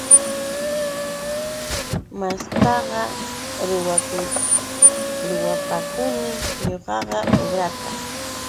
Mastaqa ruwapakuni ñuqaqa ubrata.